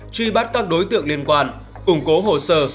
truy bắt các đối tượng liên quan củng cố hồ sơ